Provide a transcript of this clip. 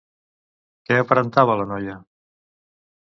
Què aparentava la noia?